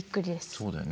そうだよね。